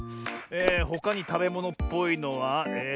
ほかにたべものっぽいのはえと。